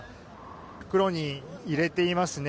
袋に入れていますね。